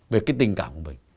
về cái tình cảm của mình